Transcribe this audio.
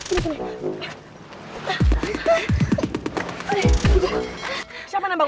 arjie masuk dong